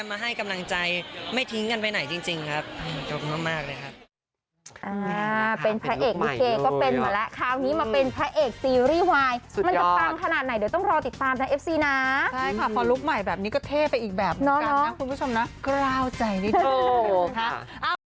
ไม่ได้ไปอีกแบบกลับนะคุณผู้ชมนะกล้าวใจดีดี